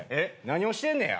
何をしてんねや。